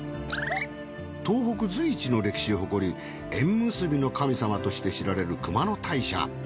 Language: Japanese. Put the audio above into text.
東北随一の歴史を誇り縁結びの神様として知られる熊野大社。